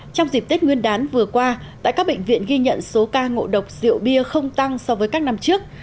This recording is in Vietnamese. trong dịp tết nguyên đán vừa qua tại các bệnh viện ghi nhận số ca ngộ độc rượu bia không tăng so với các năm trước